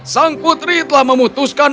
sang putri telah memutuskan